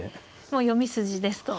もう読み筋ですと。